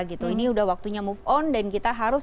ini udah waktunya move on dan kita harus